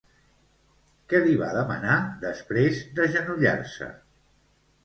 Què li va demanar després d'agenollar-se?